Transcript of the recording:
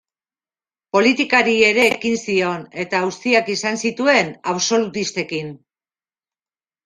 Politikari ere ekin zion eta auziak izan zituen absolutistekin.